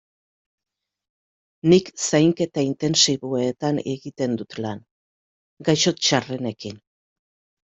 Nik Zainketa Intentsiboetan egiten dut lan, gaixo txarrenekin.